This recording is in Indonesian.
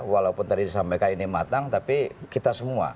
walaupun tadi disampaikan ini matang tapi kita semua